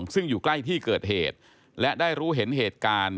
ซึ่งอยู่ใกล้ที่เกิดเหตุและได้รู้เห็นเหตุการณ์